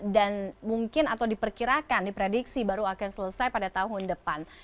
dan mungkin atau diperkirakan diprediksi baru akan selesai pada tahun depan